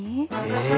え？